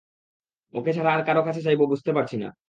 ওকে ছাড়া আর কার কাছে চাইবো বুঝতে পারছি না।